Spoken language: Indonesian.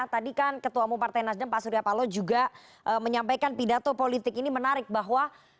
tadi kan ketua umum partai nasdem pak surya paloh juga menyampaikan pidato politik ini menarik bahwa